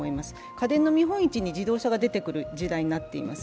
家電の見本市に自動車が出てくる時代になっています。